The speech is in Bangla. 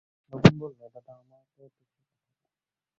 নবীন বললে, দাদা আমাদের দেশেই পাঠাবে।